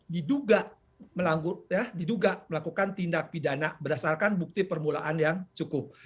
diduga melakukan tindak pidana berdasarkan bukti permulaan yang cukup